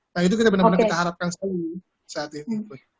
nah itu kita benar benar kita harapkan sekali saat ini